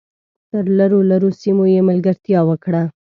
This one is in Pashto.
تر لرو لرو سیمو یې ملګرتیا وکړه .